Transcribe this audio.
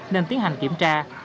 nên tiến hành kiểm tra